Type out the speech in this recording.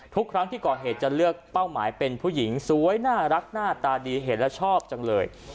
ทุกครั้งที่ก่อเหตุจะเลือกเป้าหมายเป็นผู้หญิงสวยน่ารักหน้าตาดีเห็นแล้วชอบจังเลย